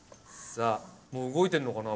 さあもう動いてるのかな？